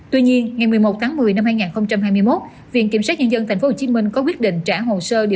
tuy nhiên ngày một mươi một tháng một mươi năm hai nghìn hai mươi một viện kiểm sát nhân dân tp hcm có quyết định trả hồ sơ